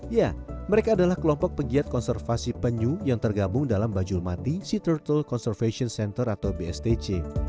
ya mereka adalah kelompok pegiat konservasi penyu yang tergabung dalam bajulmati sea turtle conservation center atau bstc